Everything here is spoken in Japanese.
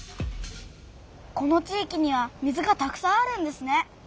この地いきには水がたくさんあるんですね。